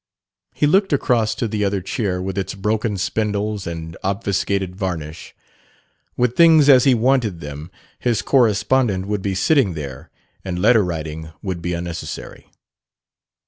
He looked across to the other chair, with its broken spindles and obfuscated varnish. With things as he wanted them, his correspondent would be sitting there and letter writing would be unnecessary.